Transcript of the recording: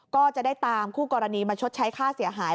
ก็จะได้ตามคู่กรณีมาชดใช้ค่าเสียหาย